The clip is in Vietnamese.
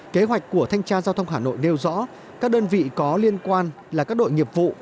kế hoạch của thanh tra giao thông hà nội nêu rõ các đơn vị có liên quan là các đội nghiệp vụ